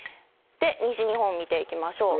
西日本、見ていきましょう。